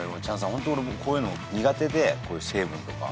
ホント俺こういうの苦手でこういう成分とか。